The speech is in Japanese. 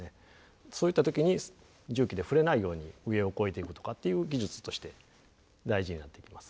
そういった時に重機で触れないように上を越えていくとかっていう技術として大事になってきます。